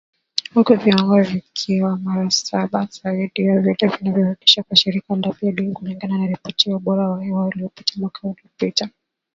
Huku viwango vikiwa mara saba zaidi ya vile vinavyoruhusiwa na shirika la afya duniani, kulingana na ripoti ya ubora wa hewa iliyotolewa mwaka uliopita.